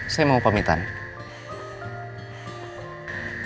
saya mau pamitannya